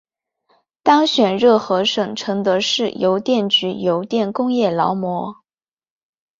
当选热河省承德市邮电局邮电工业劳模。